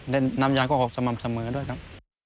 น้ำยางก็ออกสม่ำเสมอด้วยครับ